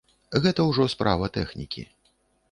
Гэта ўжо справа тэхнікі.